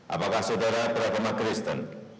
apakah saudara beragama kristen